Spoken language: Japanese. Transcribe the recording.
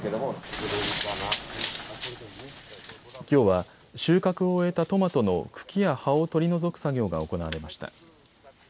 きょうは収穫を終えたトマトの茎や葉を取り除く作業が行われました。